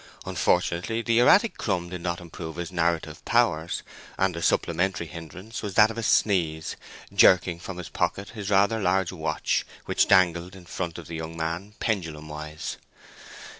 Unfortunately the erratic crumb did not improve his narrative powers, and a supplementary hindrance was that of a sneeze, jerking from his pocket his rather large watch, which dangled in front of the young man pendulum wise.